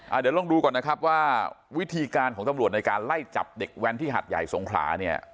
เดี๋ยวลองดูก่อนนะครับว่าวิธีการของตำรวจในการไล่จับเด็กแว้นที่หัดใหญ่สงขลาเนี่ย